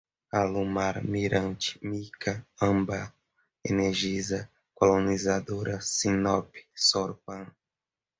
Alumar, Mirante, Mika, Âmbar, Energisa, Colonizadora, Sinnop, Sorpan